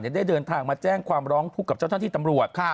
ได้เดินทางมาแจ้งความร้องทุกข์กับเจ้าหน้าที่ตำรวจ